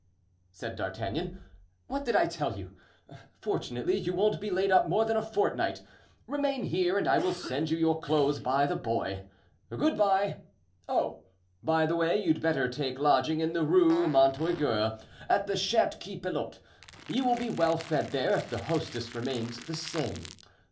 said D'Artagnan, "what did I tell you? Fortunately, you won't be laid up more than a fortnight. Remain here and I will send you your clothes by the boy. Good by! Oh, by the way, you'd better take lodging in the Rue Montorgueil at the Chat Qui Pelote. You will be well fed there, if the hostess remains the same.